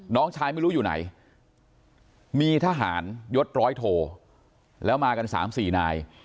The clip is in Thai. น้องชายไม่รู้อยู่ไหนมีทหารยศร้อยโทแล้วมากัน๓๔นาย